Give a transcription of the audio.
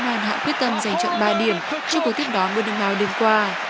hoàn hảo quyết tâm giành trận ba điểm cho cuộc tiếp đóng bonnemao đêm qua